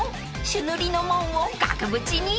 ［朱塗りの門を額縁に］